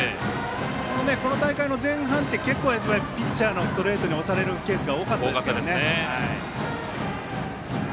この大会の前半ってピッチャーのストレートに押されるケースが多かったんですけどね。